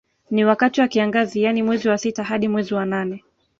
Ni wakati wa kiangazi yani mwezi wa sita hadi mwezi wa nane